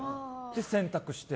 洗濯して。